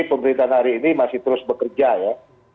pemerintahan hari ini masih terus bekerja ya